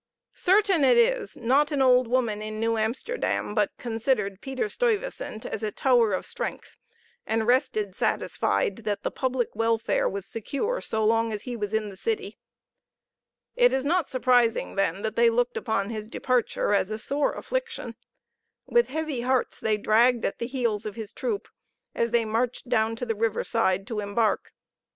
Certain it is, not an old woman in New Amsterdam but considered Peter Stuyvesant as a tower of strength, and rested satisfied that the public welfare was secure, so long as he was in the city. It is not surprising, then, that they looked upon his departure as a sore affliction. With heavy hearts they dragged at the heels of his troop, as they marched down to the riverside to embark.